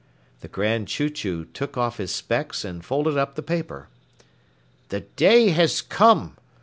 The Grand Chew Chew took off his specs and folded up the paper. "The day has come!